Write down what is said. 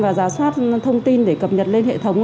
và giả soát thông tin để cập nhật lên hệ thống